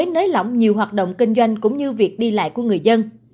nới lỏng nhiều hoạt động kinh doanh cũng như việc đi lại của người dân